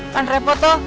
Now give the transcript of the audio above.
kan repot tuh